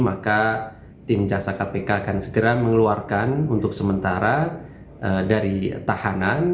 maka tim jaksa kpk akan segera mengeluarkan untuk sementara dari tahanan